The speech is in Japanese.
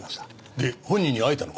で本人に会えたのか？